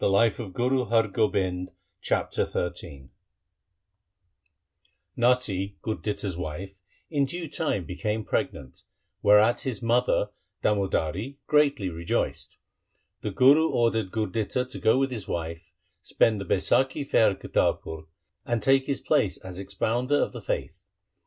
This is God's will' Chapter XIII Natti, Gurditta's wife, in due time became pregnant, whereat his mother Damodari greatly rejoiced. The Guru ordered Gurditta to go with his wife, spend the Baisakhi fair at Kartarpur, and take his place as expounder of the faith.